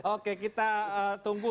oke kita tunggu